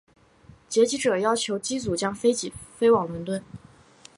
劫机者要求机组将飞机飞往伦敦。